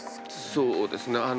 そうですね。